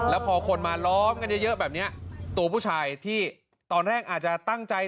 แล้วพอคนมาล้อมกันเยอะแบบนี้ตัวผู้ชายที่ตอนแรกอาจจะตั้งใจ